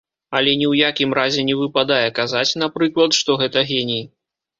Але ні ў якім разе не выпадае казаць, напрыклад, што гэта геній.